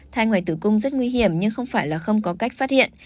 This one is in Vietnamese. thai người tử cung rất nguy hiểm nhưng không phải là không có cách phát hiện